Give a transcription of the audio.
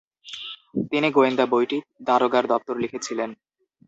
তিনি গোয়েন্দা বইটি দারোগার দপ্তর লিখেছিলেন।